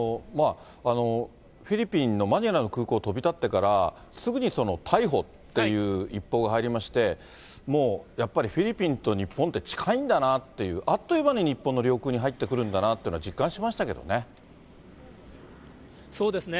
フィリピンのマニラの空港、飛び立ってからすぐに逮捕っていう一報が入りまして、もう、やっぱりフィリピンと日本って近いんだなって、あっという間に日本の領空に入ってくるんだなというのは実感しまそうですね。